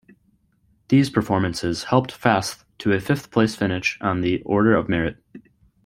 These performances helped Fasth to a fifth-place finish on the Order of Merit.